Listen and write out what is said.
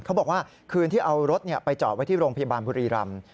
เขาบอกว่าคืนที่เอารถไปจอดไว้ที่โรงพยาบาลบุรีรำ